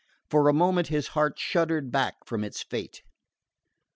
For a moment his heart shuddered back from its fate.